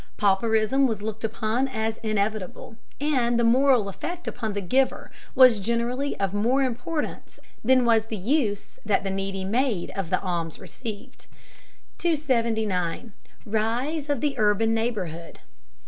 Pauperism was looked upon as inevitable, and the moral effect upon the giver was generally of more importance than was the use that the needy made of the alms received. 279. RISE OF THE URBAN NEIGHBORHOOD.